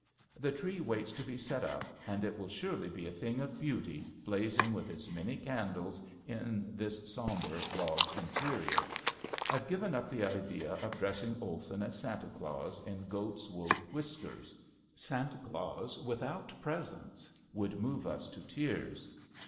The tree waits to be set up and it will surely be a thing of beauty blazing with its many candles in this somber log interior. I've given up the idea of dressing Olson as Santa Claus in goat's wool whiskers. Santa Claus without presents would move us to tears.